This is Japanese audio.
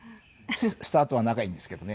スタートは仲いいんですけどね